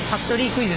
クイズ。